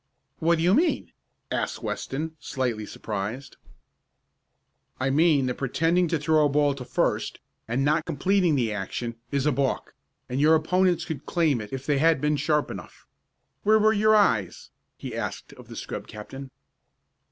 "What do you mean?" asked Weston, slightly surprised. "I mean that pretending to throw a ball to first, and not completing the action, is a balk, and your opponents could claim it if they had been sharp enough. Where were your eyes?" he asked, of the scrub captain.